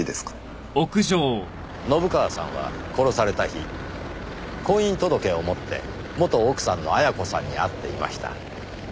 信川さんは殺された日婚姻届を持って元奥さんの彩子さんに会っていました。